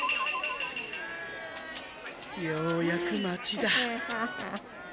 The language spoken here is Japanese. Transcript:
ようやく町だ。